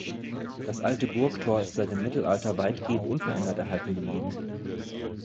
Das "Alte Burgtor" ist seit dem Mittelalter weitgehend unverändert erhalten geblieben.